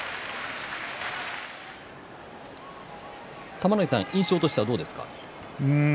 玉ノ井さん印象はどうですか？